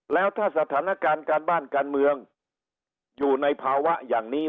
แล้วถ้าสถานการณ์การบ้านการเมืองอยู่ในภาวะอย่างนี้